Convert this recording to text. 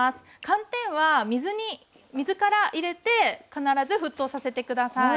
寒天は水から入れて必ず沸騰させて下さい。